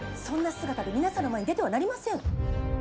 そんな姿で皆さんの前に出てはなりません。